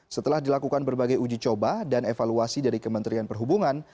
setelah dilakukan berbagai uji coba dan evaluasi dari kementerian perhubungan